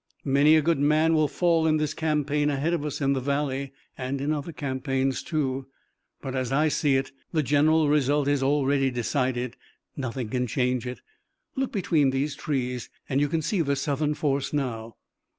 Many a good man will fall in this campaign ahead of us in the valley, and in other campaigns too, but, as I see it, the general result is already decided. Nothing can change it. Look between these trees, and you can see the Southern force now."